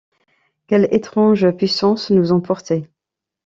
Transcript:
Quelle étrange puissance nous emportait?